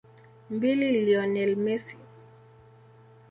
MbiliLionel Messi